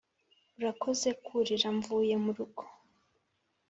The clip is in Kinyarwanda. urakoze kurira mvuye murugo,